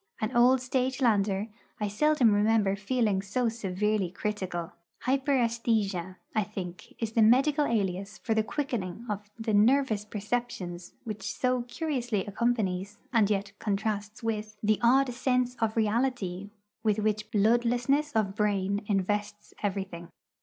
An old stage lander, I seldom remember feeling so severely critical. 'Hyperæsthesia,' I think, is the medical alias for the quickening of the nervous perceptions which so curiously accompanies, and yet contrasts with, the odd sense of unreality with which bloodlessness of brain invests everything.